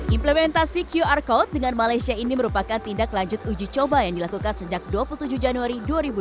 implementasi qr code dengan malaysia ini merupakan tindak lanjut uji coba yang dilakukan sejak dua puluh tujuh januari dua ribu dua puluh